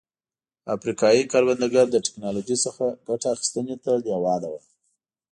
افریقايي کروندګر له ټکنالوژۍ څخه ګټې اخیستنې ته لېواله وو.